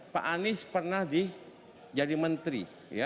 pak anis pernah di jadi menteri